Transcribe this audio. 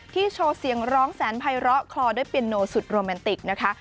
โชว์เสียงร้องแสนภัยร้อคลอด้วยเปียโนสุดโรแมนติกนะคะ